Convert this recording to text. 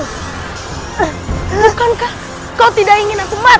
bukankah kau tidak ingin aku mati